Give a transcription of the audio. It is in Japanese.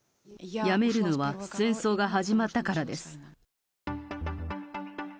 辞めるのは戦争が始まったからです。